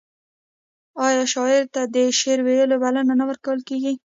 آیا شاعر ته د شعر ویلو بلنه نه ورکول کیږي؟